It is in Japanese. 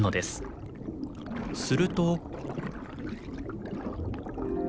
すると。